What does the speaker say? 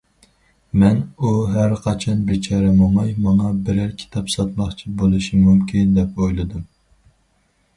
مەن: ئۇ ھەرقاچان بىچارە موماي، ماڭا بىرەر كىتاب ساتماقچى بولۇشى مۇمكىن، دەپ ئويلىدىم.